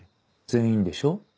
全員でしょ？